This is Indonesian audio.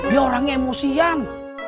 dia orang emosian